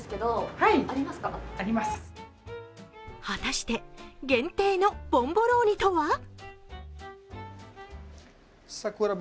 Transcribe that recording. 果たして限定のボンボローニとは？